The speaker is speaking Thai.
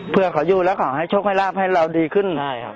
เพื่อขออยู่ให้ชมให้ราบให้เราดีขึ้น